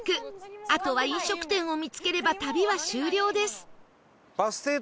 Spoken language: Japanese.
あとは飲食店を見つければ旅は終了です